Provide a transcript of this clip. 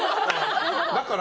だから？